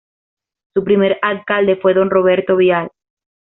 Su primer Alcalde fue Don Roberto Vial.